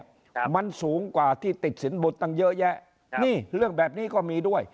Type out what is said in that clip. ค่ะมันสูงกว่าที่ติดสินบุตรตั้งเยอะแยะนี่เรื่องแบบนี้ก็มีด้วย